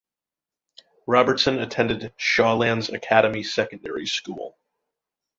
Robertson attended Shawlands Academy Secondary School.